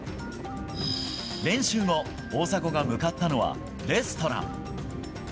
練習後、大迫が向かったのはレストラン。